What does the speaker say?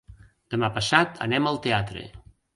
Demà passat anem al teatre.